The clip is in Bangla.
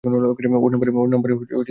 ওর নাম্বারে কল করে দেখ।